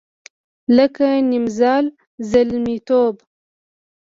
لکه نیمزال زلمیتوب